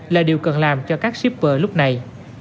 là điều cần làm cho các shipper lúc này